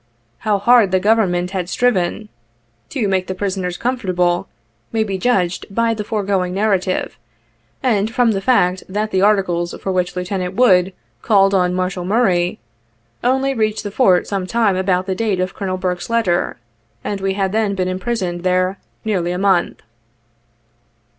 " How hard the G overnment had striven '' to make the prisoners comfortable may be judged by the foregoing narrative, and from the fact that the articles for which Lieutenant Wood called on Marshal Murray, only reached the Fort sometime about the date of Colonel Burke's letter, and we had then been imprisoned there nearly a month.